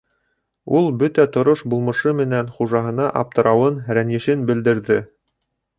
Ул бөтә торош-булмышы менән хужаһына аптырауын, рәнйешен белдерҙе.